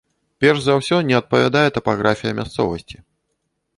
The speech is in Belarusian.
Перш за ўсё не адпавядае тапаграфія мясцовасці.